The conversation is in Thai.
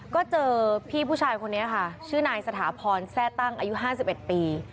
ก็เจอพี่ผู้ชายคนนี้ค่ะชื่อนายสถาพรแทร่ตั้งอายุ๕๑ปี